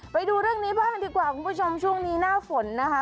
ไปดูเรื่องนี้บ้างดีกว่าคุณผู้ชมช่วงนี้หน้าฝนนะคะ